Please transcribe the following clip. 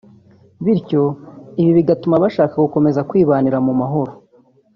bityo ibi bigatuma bashaka gukomeza kwibanira mu mahoro